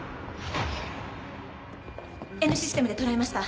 Ｎシステムで捉えました。